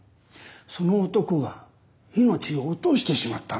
その男が命を落としてしまったんです。